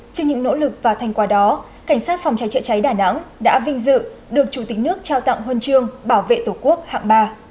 trên những nỗ lực và thành quả đó cảnh sát phòng cháy chữa cháy đà nẵng đã vinh dự được chủ tịch nước trao tặng huân chương bảo vệ tổ quốc hạng ba